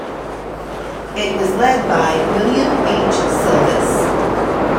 It was led by William H. Sylvis.